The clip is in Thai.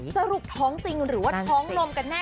สรุปท้องจริงหรือว่าท้องลมกันแน่